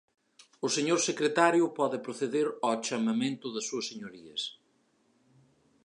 O señor secretario pode proceder ao chamamento das súas señorías.